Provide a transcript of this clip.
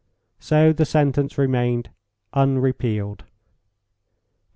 So the sentence remained unrepealed.